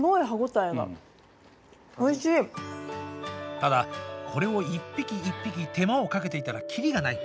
ただ、これを１匹１匹手間をかけていたらきりがない。